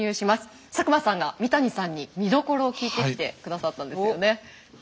佐久間さんが三谷さんに見どころを聞いてきてくださったんですよね。